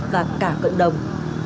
và cả cận đồng